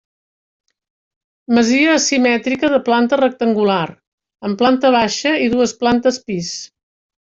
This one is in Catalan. Masia asimètrica de planta rectangular, amb planta baixa i dues plantes pis.